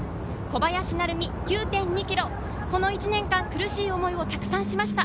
小林成美が９．２ｋｍ、この１年間苦しい思いをたくさんしました。